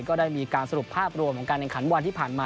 ก็ได้มีการสรุปภาพรวมของการแข่งขันวันที่ผ่านมา